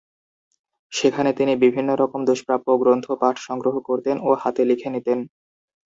সেখানে তিনি বিভিন্ন রকমের দুষ্প্রাপ্য গ্রন্থ পাঠ সংগ্রহ করতেন ও হাতে লিখে নিতেন।